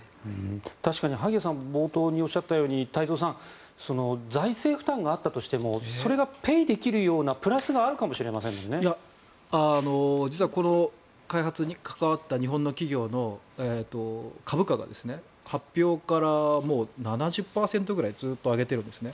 確かに萩谷さんが冒頭におっしゃったように財政負担があったとしてもそれがペイできるような実はこの開発に関わった日本の企業の株価が発表からもう７０％ぐらいずっと上げてるんですね。